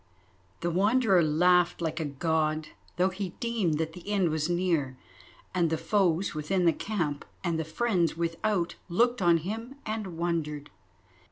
The Wanderer laughed like a God, though he deemed that the end was near, and the foes within the camp and the friends without looked on him and wondered.